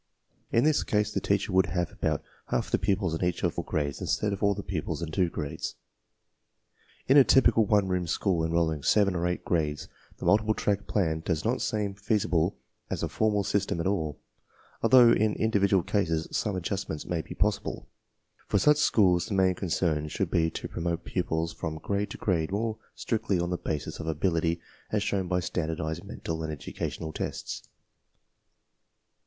In this case the teacher would have about half the pupils in each of four grades instead of all the pupils of two grades. In a typical one room school enrolling seven or eight grades the multiple track plan does not seem feasible as a formal system at all, although in individual cases some adjustments may be possible. For such schools the main concern should be to promote pupils from grade to grade more strictly on the basis of ability as shown by standardized mental and educational tests.